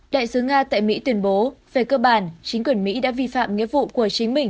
đại sứ nga tại mỹ tuyên bố về cơ bản chính quyền mỹ đã vi phạm nghĩa vụ của chính mình